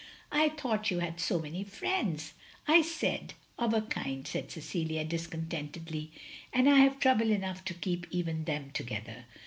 "I thought you had so many friends." "I said — *of a kind,'" said Cecilia, discontent edly. "And I have trouble enough to keep even them together.